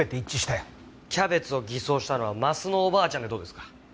キャベツを偽装したのは鱒乃おばあちゃんでどうですか？